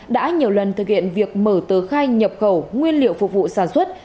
đã nhiều lần thực hiện việc mở tờ khai nhập khẩu nguyên liệu phục vụ sản xuất